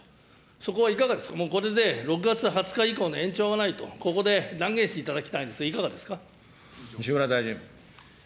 そこはいかがですか、これで６月２０日以降の延長はないと、ここで断言していただきたいんですけ西村大臣。